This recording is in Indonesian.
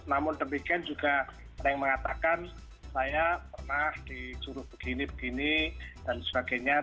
namun demikian juga ada yang mengatakan saya pernah disuruh begini begini dan sebagainya